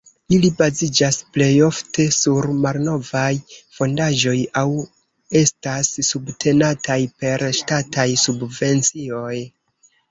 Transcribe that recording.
Ili baziĝas plejofte sur malnovaj fondaĵoj aŭ estas subtenataj per ŝtataj subvencioj.